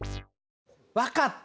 わかった。